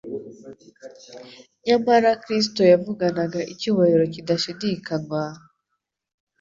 Nyamara Kristo yavuganaga icyubahiro kidashidikanywa,